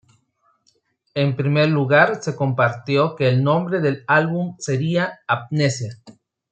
En primer lugar se compartió que el nombre del álbum sería "Amnesia".